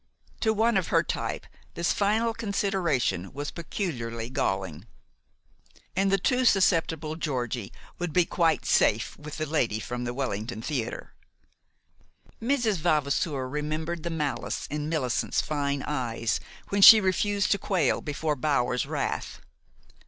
To one of her type this final consideration was peculiarly galling. And the too susceptible Georgie would be quite safe with the lady from the Wellington Theater. Mrs. Vavasour remembered the malice in Millicent's fine eyes when she refused to quail before Bower's wrath.